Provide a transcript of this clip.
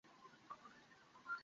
পাপা নিলামকে স্টুপিট বলবে না।